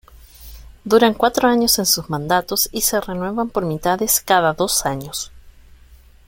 Duran cuatro años en sus mandatos y se renuevan por mitades cada dos años.